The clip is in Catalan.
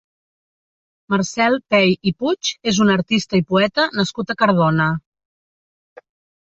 Marcel Pey i Puig és un artista i poeta nascut a Cardona.